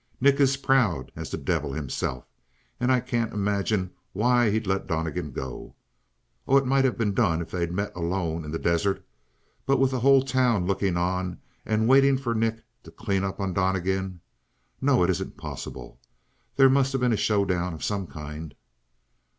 "Nick is proud as the devil himself. And I can't imagine why he'd let Donnegan go. Oh, it might have been done if they'd met alone in the desert. But with the whole town looking on and waiting for Nick to clean up on Donnegan no, it isn't possible. There must have been a showdown of some kind."